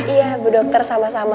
iya bu dokter sama sama